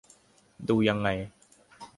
ดูยังไง